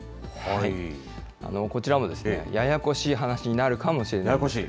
こちらもややこしい話になるかもしれないんです。